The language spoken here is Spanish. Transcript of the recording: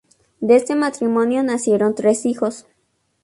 De este matrimonio nacieron tres hijos.